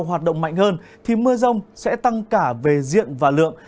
hoạt động mạnh hơn thì mưa rông sẽ tăng cả về diện và lượng